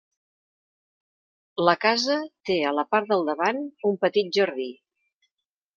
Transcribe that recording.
La casa, té a la part del davant un petit jardí.